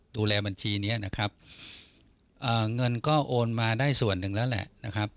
บัญชีนี้นะครับเงินก็โอนมาได้ส่วนหนึ่งแล้วแหละนะครับ